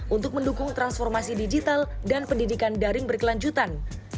untuk mendukung transformasi digital dan pendidikan daring berkelanjutan